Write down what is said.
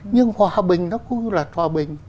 nhưng hòa bình nó cứ là hòa bình